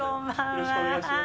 よろしくお願いします。